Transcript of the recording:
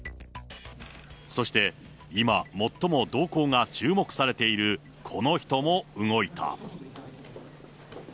そして今、最も動向が注目されているこの人も動いた。